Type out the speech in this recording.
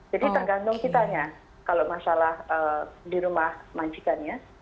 jadi tergantung kita ya kalau masalah di rumah majikan ya